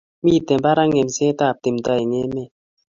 mito barak ng'emsetab timdo eng emet